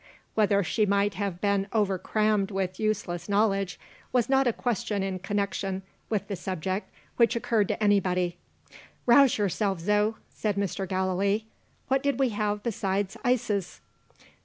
Whether she might have been over crammed with useless knowledge, was not a question in connection with the subject which occurred to anybody. "Rouse yourself, Zo," said Mr. Gallilee. "What did we have besides ices?"